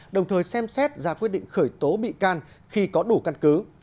đồng thời xem xét ra quyết định khởi tố bị can khi có đủ căn cứ